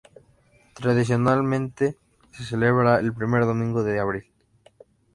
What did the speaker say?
Tradicionalmente se celebra el primer domingo de abril.